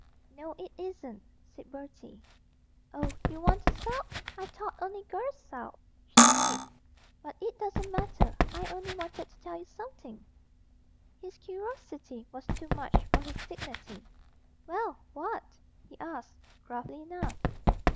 'No, it isn't,' said Bertie. 'Oh, you want to sulk? I thought only girls sulked,' she said; 'but it doesn't matter, I only wanted to tell you something.' His curiosity was too much for his dignity. 'Well what?' he asked, gruffly enough.